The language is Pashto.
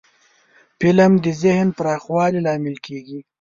فلم د ذهن پراخوالي لامل کېږي